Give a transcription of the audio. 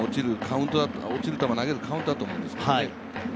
落ちる球を投げるカウントだと思うんですけどね。